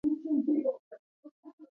تاریخ د پرمختګ لومړنی ګام دی.